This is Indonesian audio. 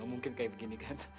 mungkin kayak begini kan